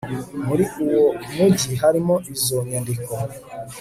muri uwo mugi harimo izo nyandiko